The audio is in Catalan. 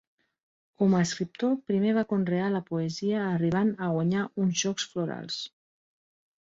Com a escriptor primer va conrear la poesia arribant a guanyar uns Jocs Florals.